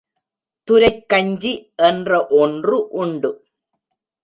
துரைக்கஞ்சி என்ற ஒன்று உண்டு.